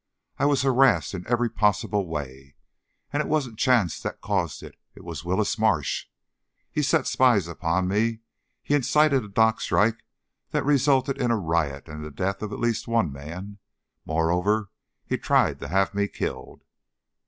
I was harassed in every possible way. And it wasn't chance that caused it; it was Willis Marsh. He set spies upon me, he incited a dock strike that resulted in a riot and the death of at least one man; moreover, he tried to have me killed."